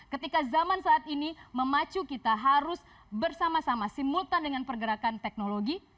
ketika zaman saat ini memacu kita harus bersama sama simultan dengan pergerakan teknologi